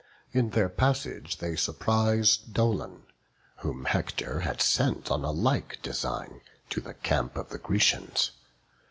In their passage they surprise Dolon, whom Hector had sent on a like design to the camp of the Grecians.